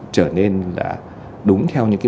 trở nên là đúng theo những cái